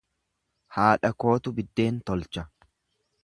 Haadha kootu biddeen tolcha.